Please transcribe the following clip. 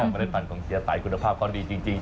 เมล็ดปั่นของเชียวไตคุณภาพก็ดีจริง